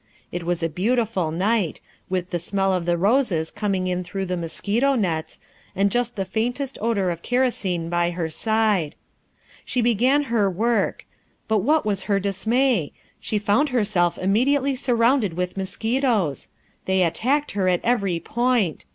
It was a beautiful night, with the smell of the roses coming in through the mosquito nets, and just the faintest odor of kerosene by her side. She began upon her work. But what was her dismay! She found herself immediately surrounded with mosquitoes. They attacked her at every point.